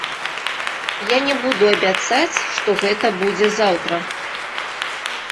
Я не буду абяцаць, што гэта будзе заўтра.